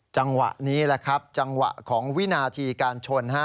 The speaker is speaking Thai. จังหวะนี้แหละครับจังหวะของวินาทีการชน